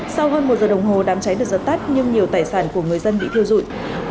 sau hơn một giờ đồng hồ đám cháy được giật tắt nhưng nhiều tài sản của người dân bị thiêu dụi